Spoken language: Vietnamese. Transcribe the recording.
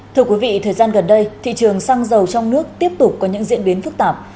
thưa quý vị thời gian gần đây thị trường xăng dầu trong nước tiếp tục có những diễn biến phức tạp